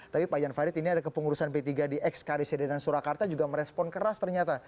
tapi pak jan farid ini ada kepengurusan p tiga di x kdcd dan surakarta juga merespon keras ternyata